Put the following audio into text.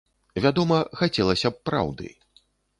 Вядома, хацелася б праўды.